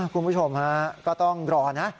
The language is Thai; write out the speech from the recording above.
คุณผู้ชมฮะก็ต้องรอนะ